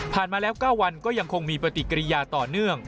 มาแล้ว๙วันก็ยังคงมีปฏิกิริยาต่อเนื่อง